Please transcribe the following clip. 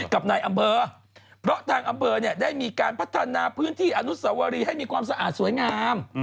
กับนายอำเภอเพราะทางอำเภอเนี่ยได้มีการพัฒนาพื้นที่อนุสวรีให้มีความสะอาดสวยงาม